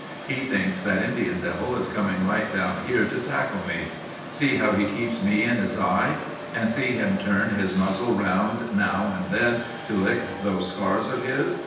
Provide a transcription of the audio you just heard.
He thinks that Indian devil is coming right down here to tackle me. See how he keeps me in his eye! And see him turn his muzzle round now and then to lick those scars of his.